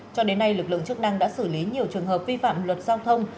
cho đến nay lực lượng chức năng đã xử lý nhiều trường hợp vi phạm luật giao thông